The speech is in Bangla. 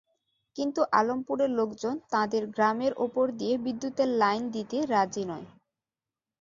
কিন্তু আলমপুরের লোকজন তাঁদের গ্রামের ওপর দিয়ে বিদ্যুতের লাইন দিতে রাজি নয়।